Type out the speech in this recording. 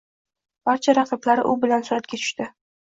Barcha raqiblari u bilan suratga tushdi.